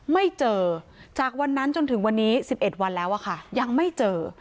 ไม่เจอจากวันนั้นจนถึงวันนี้๑๑วันแล้วค่ะยังไม่เจอ